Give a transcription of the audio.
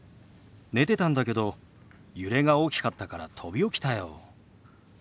寝てたんだけど揺れが大きかったから飛び起きたよ。